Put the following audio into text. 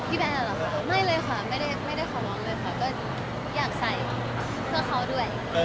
แบร์เหรอคะไม่เลยค่ะไม่ได้ขอร้องเลยค่ะก็อยากใส่เพื่อเขาด้วย